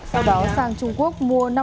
sau đó sang trung quốc mua